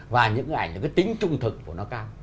và những ảnh là cái tính trung thực của nó cao